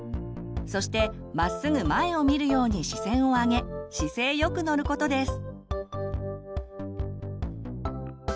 そしてまっすぐ前を見るように視線を上げ姿勢よく乗ることです。